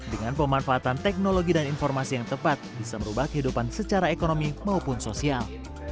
dengan pemanfaatan teknologi dan informasi yang tepat bisa merubah kehidupan secara ekonomi maupun sosial